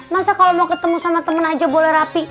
masa kalo mau ketemu sama temen aja boleh rapi